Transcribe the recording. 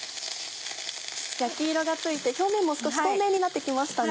焼き色がついて表面も少し透明になって来ましたね。